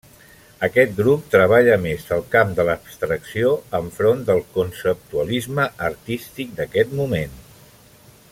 Aquest grup treballa més el camp de l'abstracció enfront del conceptualisme artístic d'aquest moment.